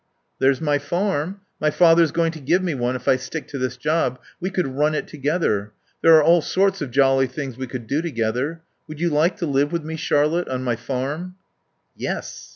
"There's my farm. My father's going to give me one if I stick to this job. We could run it together. There are all sorts of jolly things we could do together.... Would you like to live with me, Charlotte, on my farm?" "Yes."